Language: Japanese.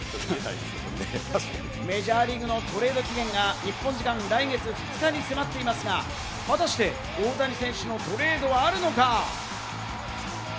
メジャーリーグのトレード期限が日本時間の来月２日に迫っていますが、果たして大谷選手のトレードはあるのか？